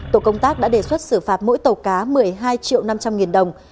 tổ công tác đã đề xuất xử phạt mỗi tàu cá một mươi hai triệu năm trăm linh nghìn đồng